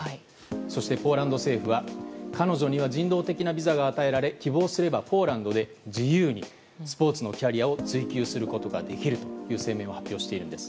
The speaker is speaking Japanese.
そして、ポーランド政府は彼女には人道的なビザが与えられ希望すればポーランドで自由にスポーツのキャリアを追求することができるという声明を発表しています。